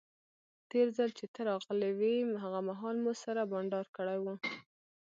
تیر ځل چې ته راغلی وې هغه مهال مو سره بانډار کړی وو.